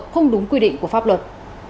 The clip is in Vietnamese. không đúng quy định của pháp luật